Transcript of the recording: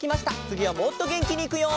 つぎはもっとげんきにいくよ！